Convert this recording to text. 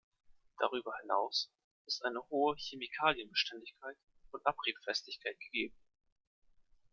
Darüber hinaus ist eine hohe Chemikalienbeständigkeit und Abriebfestigkeit gegeben.